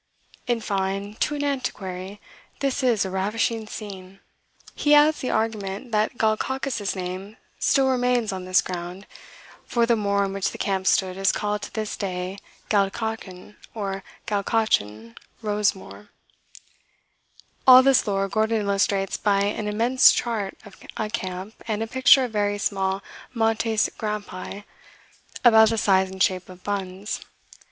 In fine, to an Antiquary, this is a ravishing scene." He adds the argument "that Galgacus's name still remains on this ground, for the moor on which the camp stood is called to this day Galdachan, or Galgachan Rosmoor." All this lore Gordon illustrates by an immense chart of a camp, and a picture of very small Montes Grampii, about the size and shape of buns.